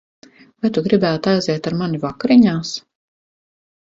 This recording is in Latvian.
Vai tu gribētu aiziet ar mani vakariņās?